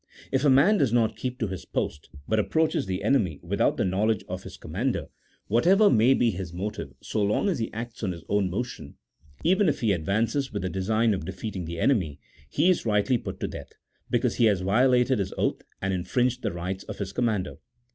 If a man does not keep to his post, but approaches the enemy without the knowledge of his commander, whatever may be his motive, so long as he acts on his own motion, even if he advances with the design of defeating the enemy, he is rightly put to death, because he has violated his oath, and infringed the rights of Ins commander.